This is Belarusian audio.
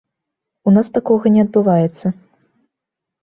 У нас такога не адбываецца.